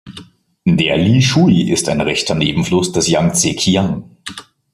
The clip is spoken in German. Der Li Shui ist ein rechter Nebenfluss des Jangtsekiang.